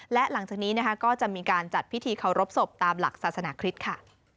และหลังจากนี้นะคะก็จะมีการจัดพิธีเคารพศพตามหลักศาสนาคริสต์ค่ะ